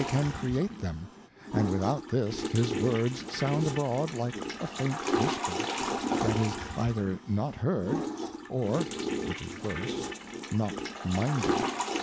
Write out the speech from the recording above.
*" P"^^^ them, and without this his words sound abroad like a faint Whisper, Jbhat_is either not heard, or (wh ich is worse) npijainded.